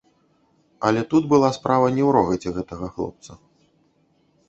Але тут была справа не ў рогаце гэтага хлопца.